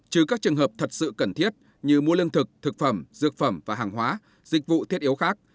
trừ các trường hợp thật sự cần thiết như mua lương thực thực phẩm dược phẩm và hàng hóa dịch vụ thiết yếu khác